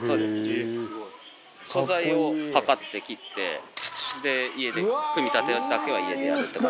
素材を測って切って家で組み立てだけは家でやるって感じですね。